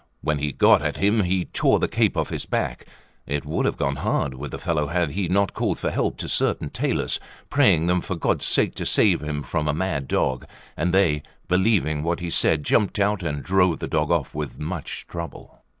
When he got at him, he tore the cape off his back. It would have gone hard with the fellow had he not called for help to certain tailors, praying them for God's sake to save him from a mad dog; and they, believing what he said, jumped out and drove the dog off with much trouble.